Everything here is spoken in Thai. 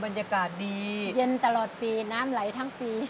บรรยากาศดีเย็นตลอดปีน้ำไหลทั้งปี